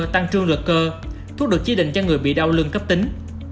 tăng trương lực cơ thuốc được chế định cho người bị đau lưng cấp tính